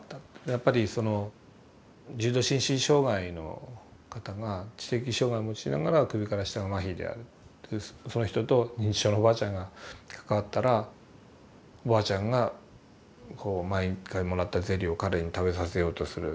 やっぱりその重度心身障害の方が知的障害を持ちながら首から下が麻痺であるというその人と認知症のおばあちゃんが関わったらおばあちゃんがこう毎回もらったゼリーを彼に食べさせようとする。